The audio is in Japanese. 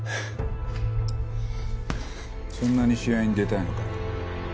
そんなに試合に出たいのか。